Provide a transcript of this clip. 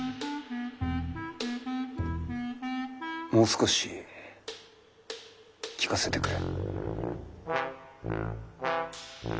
もう少し聴かせてくれ。